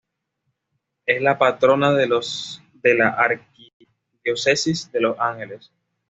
Es la patrona de la arquidiócesis de Los Ángeles.